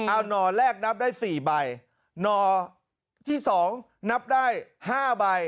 เอาหน่อแรกนับได้๔ใบหน่อที่สองนับได้๕ใบ